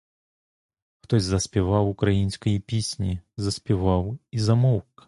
Хтось заспівав української пісні, заспівав — і замовк.